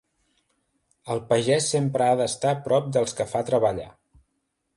El pagès sempre ha d'estar prop dels que fa treballar.